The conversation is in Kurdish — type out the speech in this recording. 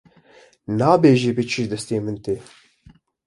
nebêje çi ji destê min tê.